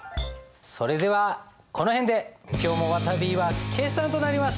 それではこの辺で今日もわたびは決算となります。